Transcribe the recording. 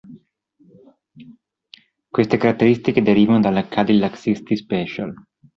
Queste caratteristiche derivavano dalla Cadillac Sixty Special.